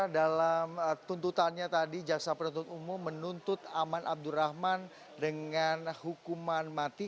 dalam tuntutannya tadi jaksa penuntut umum menuntut aman abdurrahman dengan hukuman mati